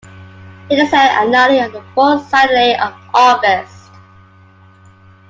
It is held annually on the fourth Saturday of August.